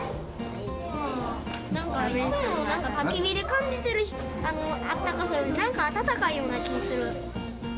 なんかいつもたき火で感じてるあったかさより、なんか暖かいような気、する。